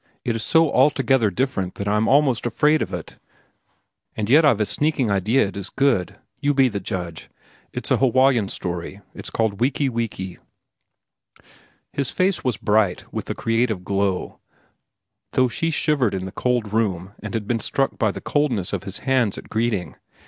It is so altogether different that I am almost afraid of it, and yet I've a sneaking idea it is good. You be judge. It's an Hawaiian story. I've called it 'Wiki wiki.'" His face was bright with the creative glow, though she shivered in the cold room and had been struck by the coldness of his hands at greeting.